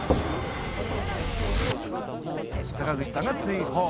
坂口さんが追放。